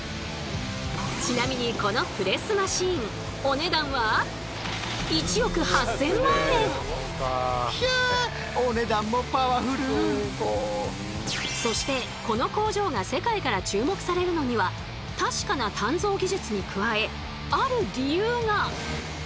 ちなみにこのそしてこの工場が世界から注目されるのには確かな鍛造技術に加えある理由が。